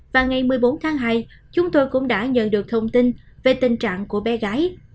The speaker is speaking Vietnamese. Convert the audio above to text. và ngày một mươi bốn tháng hai chúng tôi cũng đã nhận được thông tin về tình trạng của bé gái